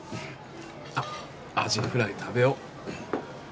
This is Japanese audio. あっアジフライ食べよう。